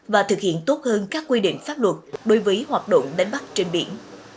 và thực hiện tốt hơn các quy định pháp luật đối với hoạt động đánh bắt trên biển